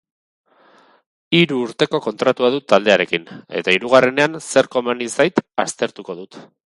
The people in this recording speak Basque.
Hiru urteko kontratua dut taldearekin, eta hirugarrenean zer komeni zait aztertuko dut.